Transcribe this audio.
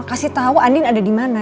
kasih tau andin ada dimana